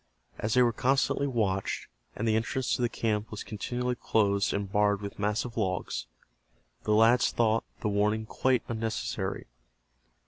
As they were constantly watched, and the entrance to the camp was continually closed and barred with massive logs, the lads thought the warning quite unnecessary.